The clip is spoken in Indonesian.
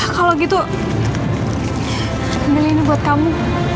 kalau gitu milih ini buat kamu